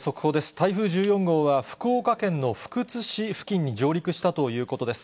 台風１４号は、福岡県の福津市付近に上陸したということです。